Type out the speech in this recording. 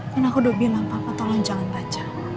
kan aku udah bilang apa tolong jangan baca